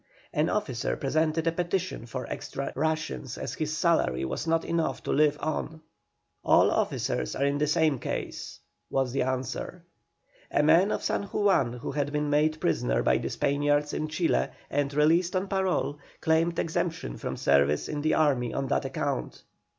An officer presented a petition for extra rations, as his salary was not enough to live on. "All officers are in the same case," was the answer. A man of San Juan, who had been made prisoner by the Spaniards in Chile and released on parole, claimed exemption from service in the army on that account.